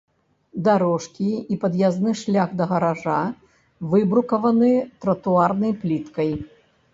Дарожкі і пад'язны шлях да гаража выбрукаваны тратуарнай пліткай.